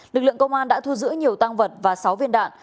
lực lượng công an đã thu giữ nhiều tăng vật và sáu viên đạn